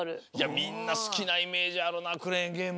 みんなすきなイメージあるなクレーンゲーム。